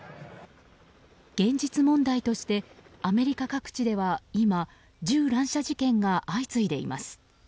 現実問題としてアメリカ各地では今銃乱射事件が相次いでいます。